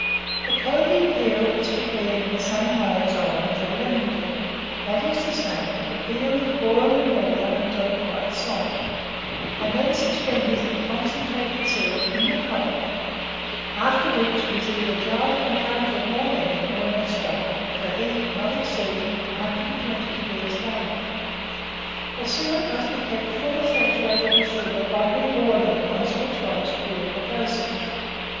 The candied peel is prepared in the same manner as orange or lemon peel; that is to say, the peel is boiled in water until quite soft, and then suspended in concentrated syrup (in the cold), after which it is either dried in a current of warm air, or in a stove, at a heat not exceeding 120° Fahrenheit. The syrup must be kept fully saturated with sugar by reboiling it once or twice during the process.